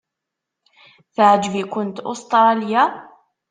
Teɛjeb-ikent Ustṛalya?